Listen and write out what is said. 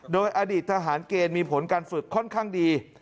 โดยอดีตทหารเกณฑ์มีผลการฝึกค่อนข้างดี